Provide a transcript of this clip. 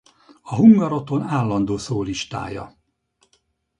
A Hungaroton állandó szólistája.